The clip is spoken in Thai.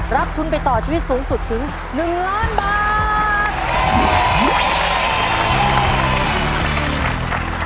รับทุนไปต่อชีวิตสูงสุดถึง๑ล้านบาท